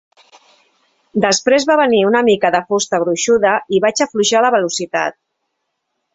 Després va venir una mica de fusta gruixuda i vaig afluixar la velocitat.